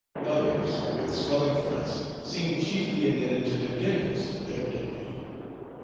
Others, with swelling fronts, seemed chiefly indebted to their dinners for their dignity.